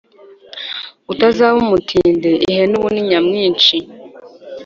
Utazaba umutindi Ihene ubu ni nyamwinshi